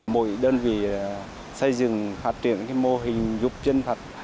mỗi đơn vị xây dựng phát triển mô hình giúp chân thật